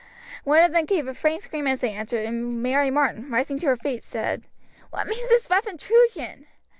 One of them gave a faint scream as they entered, and Mary Martin, rising to her feet, said: "What means this rough intrusion?"